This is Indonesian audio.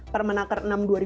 permenaker enam dua ribu dua